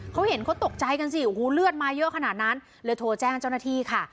เขาเห็นเขาตกใจกันสิโอ้โหเลือดมาเยอะขนาดนั้นเลยโทรแจ้งเจ้าหน้าที่ค่ะ